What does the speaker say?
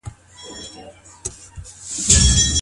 ثابت بن قيس چاته راغلی وو؟